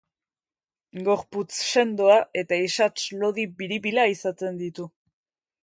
Gorputz sendoa eta isats lodi biribila izaten ditu.